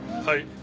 はい。